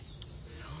そう。